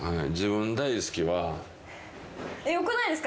よくないですか？